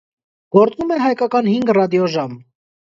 Գործում է հայկական հինգ ռադիոժամ։